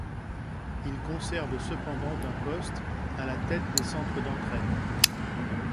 Il conserve cependant un poste à la tête des centres d'entraides.